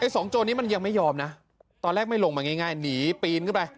สองโจรนี้มันยังไม่ยอมนะตอนแรกไม่ลงมาง่ายหนีปีนขึ้นไป